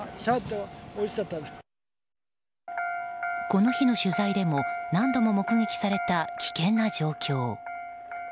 この日の取材でも何度も目撃された危険な状況。